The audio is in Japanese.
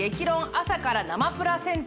「朝から生プラセンタ」